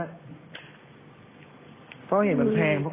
พ่อเห็นมันแพงเพราะก็เลยไม่ได้ตั้งใจซื้อ